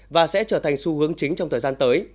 và sẽ trở thành xu hướng chính trong thời gian tới